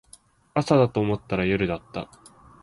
朝だと思ったら夜だった